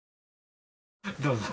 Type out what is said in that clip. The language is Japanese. ・どうぞ。